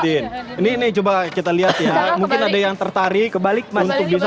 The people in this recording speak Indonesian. ini coba kita lihat ya mungkin ada yang tertarik kebalik mantu bisa